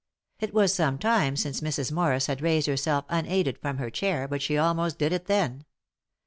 It was some time since Mrs. Morris had raised herself unaided from her chair, but she almost did it then.